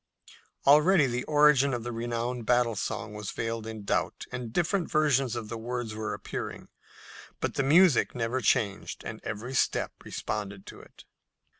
Already the origin of the renowned battle song was veiled in doubt, and different versions of the words were appearing; but the music never changed and every step responded to it.